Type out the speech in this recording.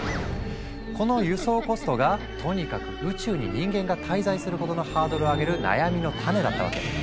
この輸送コストがとにかく宇宙に人間が滞在することのハードルを上げる悩みの種だったわけ。